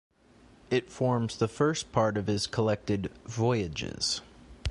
It forms the first part of his collected "Voyages".